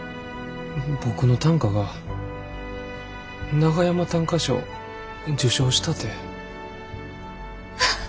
僕の短歌が長山短歌賞受賞したて。